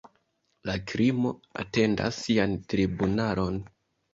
La krimo atendas sian tribunalon.